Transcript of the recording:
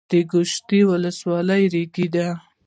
د ګوشتې ولسوالۍ ریګي ده